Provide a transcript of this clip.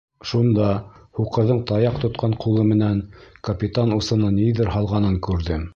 Шунда һуҡырҙың таяҡ тотҡан ҡулы менән капитан усына ниҙер һалғанын күрҙем.